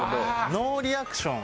ノーリアクション。